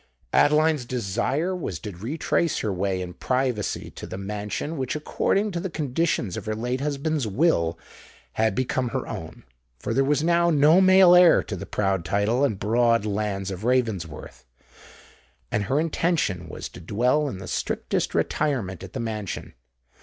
Adeline's desire was to retrace her way in privacy to the mansion which, according to the conditions of her late husband's will, had become her own—for there was now no male heir to the proud title and broad lands of Ravensworth: and her intention was to dwell in the strictest retirement at the mansion.